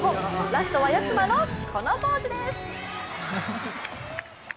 ラストは安間の、このポーズです。